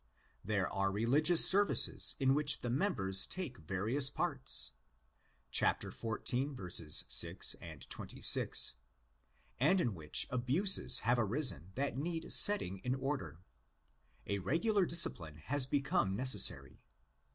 There are religious services in which the members take various parts (xiv. 6, 26), and in which abuses have arisen that need setting in order. A regular discipline has become necessary.